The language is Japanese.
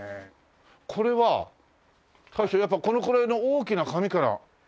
これは大将やっぱこのくらいの大きな紙から切り出すんですか？